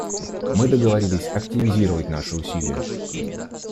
Мы договорились активизировать наши усилия.